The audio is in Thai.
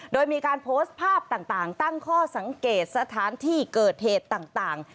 โดยมีการโพสต์ภาพต่างตั้งข้อสังเกตสถานที่เกิดเหตุต่าง